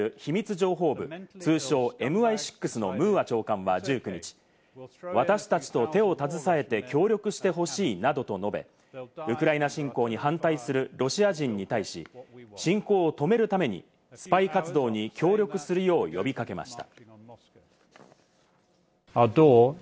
情報部・通称ＭＩ６のムーア長官は１９日、私達と手を携えて協力してほしいなどと述べ、ウクライナ侵攻に反対するロシア人に対し、侵攻を止めるためにスパイ活動に協力するよう呼び掛けました。